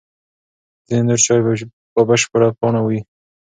ځینې نور چای په بشپړو پاڼو وي.